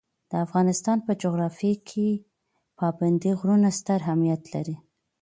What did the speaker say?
د افغانستان په جغرافیه کې پابندي غرونه ستر اهمیت لري.